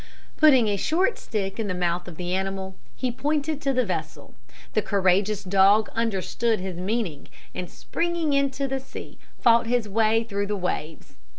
Putting a short stick in the mouth of the animal, he pointed to the vessel. The courageous dog understood his meaning, and springing into the sea, fought his way through the waves.